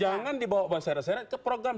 jangan dibawa bawa seret seret ke program